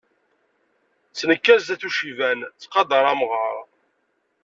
Ttnekkar zdat n uciban, ttqadaṛ amɣar.